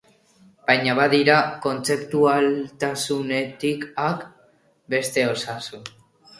Baina badira, kontzeptualtasunetik at, beste osasun.